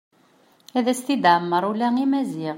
Ad as-t-id-tɛemmer ula i Maziɣ.